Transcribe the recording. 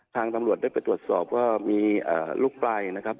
ทางตำรวจได้ไปตรวจสอบว่ามีลูกปลายนะครับ